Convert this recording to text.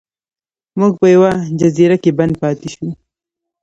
موږ په یوه جزیره کې بند پاتې شو.